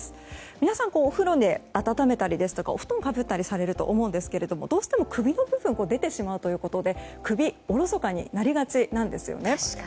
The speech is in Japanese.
皆さん、お風呂で温めたりですとかお布団をかぶったりすると思いますがどうしても首の部分が出てしまうということで首、おろそかになりがちですね。